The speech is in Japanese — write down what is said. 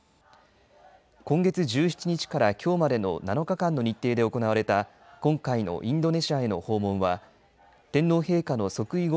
今月１７日からきょうまでの７日間の日程で行われた今回のインドネシアへの訪問は天皇陛下の即位後